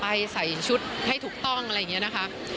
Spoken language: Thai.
ใส่ชุดให้ถูกต้องอะไรอย่างนี้นะคะ